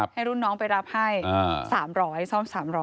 ให้รุ่นน้องไปรับให้๓๐๐ซ่อม๓๐๐